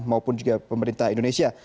maupun juga pemerintah indonesia